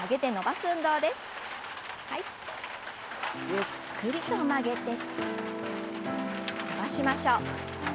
ゆっくりと曲げて伸ばしましょう。